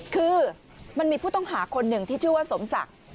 คือมันมีผู้ต้องหาคนหนึ่งที่ชื่อว่าสมศักดิ์